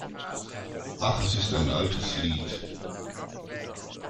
Ach, es ist ein altes Lied!